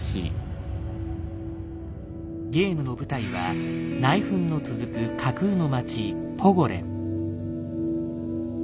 ゲームの舞台は内紛の続く架空の街ポゴレン。